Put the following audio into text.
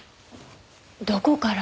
どこから？